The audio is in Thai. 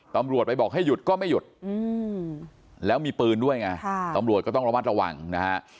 ตำรวจไปบอกให้หยุดก็ไม่หยุดแล้วมีปืนด้วยไงตำรวจก็ต้องระมัดระวังนะฮะ